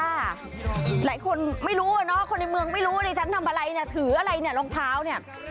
หลายคนไม่รู้อะเนาะคนในเมืองไม่รู้ว่าดิฉันทำอะไรเนี่ยถืออะไรเนี่ยรองเท้าเนี่ย